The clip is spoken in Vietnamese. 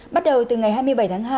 bắt đầu từ ngày hai mươi bảy tháng hai